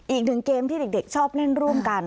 อีกหนึ่งเกมที่เด็กชอบเล่นร่วมกัน